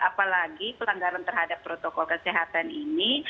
apalagi pelanggaran terhadap protokol kesehatan ini